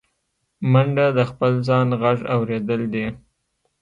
منډه د خپل ځان غږ اورېدل دي